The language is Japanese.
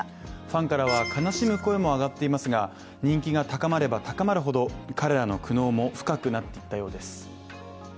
ファンからは悲しむ声も上がっていますが人気が高まれば高まるほど、彼らの苦悩も深くなっていったようです。